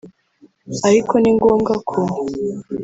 Ariko ni ngombwa ko